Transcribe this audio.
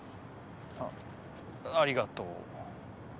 あありがとう。